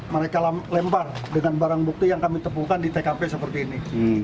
mereka lempar dengan barang bukti yang kami temukan di tkp seperti ini